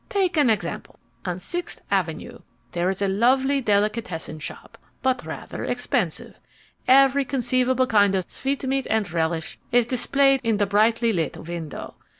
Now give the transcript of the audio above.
Take an example. On Sixth Avenue there is a lovely delicatessen shop, but rather expensive. Every conceivable kind of sweetmeat and relish is displayed in the brightly lit window.